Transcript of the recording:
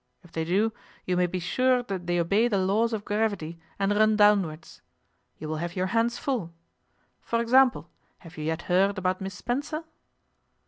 If they do, you may be sure that they obey the laws of gravity and run downwards. You will have your hands full. For example, have you yet heard about Miss Spencer?